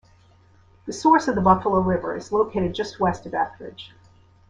The source of the Buffalo River is located just west of Ethridge.